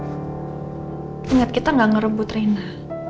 ya walaupun sekarang mbak andin larang kamu buat ketemu rena